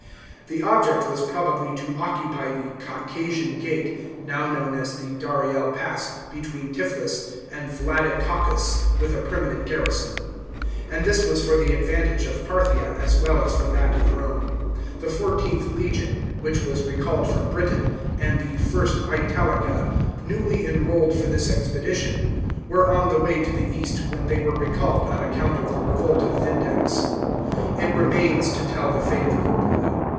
The object was probably to occupy the " Caucasian Gate," now known as the Dariel Pass, between Tiflis and Vladikaukas, with a permanent garrison; and this was for the advantage of Parthia as well as for that of Rome. The XIV th legion, which was recalled from Britain, and the I. Italica, newly enrolled for this expedition, were on the way to the east, when they were recalled on account of the revolt of Vindex. It remains to tell the fate of Corbulo.